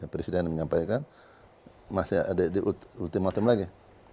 presiden menyampaikan masih ada di ultimatum lagi